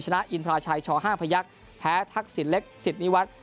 ชนะอินทราชัยชอห้าพระยักษณ์แพ้ทักษี่เล็กสิรภิวัฒน์